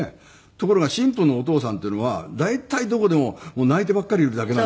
ところが新婦のお父さんっていうのは大体どこでも泣いてばっかりいるだけなんですよ。